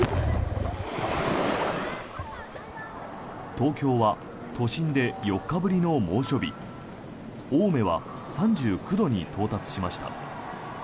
東京は都心で４日ぶりの猛暑日青梅は３９度に到達しました。